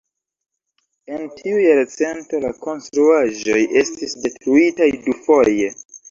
En tiu jarcento la konstruaĵoj estis detruitaj dufoje.